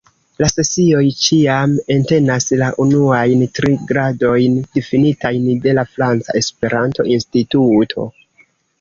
La sesioj ĉiam entenas la unuajn tri gradojn difinitajn de la Franca Esperanto-Instituto.